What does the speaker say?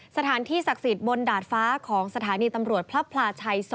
สถานที่ศักดิ์สิทธิ์บนดาดฟ้าของสถานีตำรวจพระพลาชัย๒